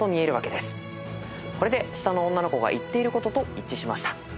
これで下の女の子が言っていることと一致しました。